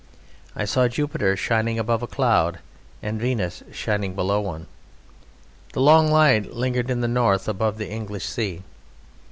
I saw Jupiter shining above a cloud and Venus shining below one. The long light lingered in the north above the English sea.